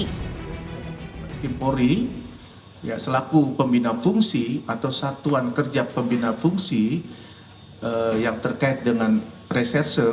tim polri selaku pembina fungsi atau satuan kerja pembina fungsi yang terkait dengan reserse